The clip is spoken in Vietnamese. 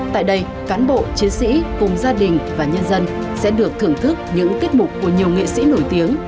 tại đây cán bộ chiến sĩ cùng gia đình và nhân dân sẽ được thưởng thức những tiết mục của nhiều nghệ sĩ nổi tiếng